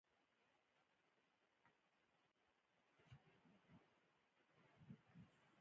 دی جومات ته لاړ، د جومات په انګړ کې خلک ولاړ.